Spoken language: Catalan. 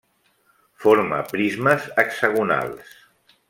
Forma prismes hexagonals.